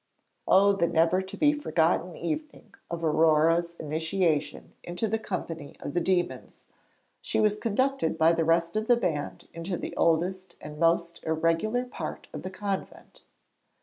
On the never to be forgotten evening of Aurore's initiation into the company of the demons, she was conducted by the rest of the band into the oldest and most irregular part of the convent.